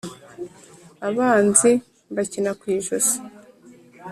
abanzi mbakina ku ijosi